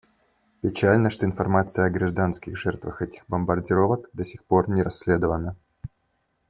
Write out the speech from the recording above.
Печально, что информация о гражданских жертвах этих бомбардировок до сих пор не расследована.